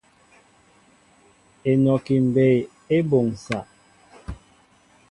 Enɔki mbɛy e boŋsa.